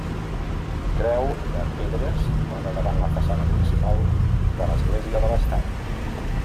Creu de pedra situada davant la façana principal de l'església de l'Estany.